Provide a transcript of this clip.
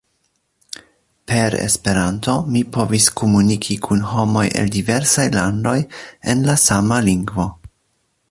Per Esperanto mi povis komuniki kun homoj el diversaj landoj en la sama lingvo.